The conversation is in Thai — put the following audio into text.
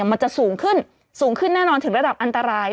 มันจะสูงขึ้นสูงขึ้นแน่นอนถึงระดับอันตราย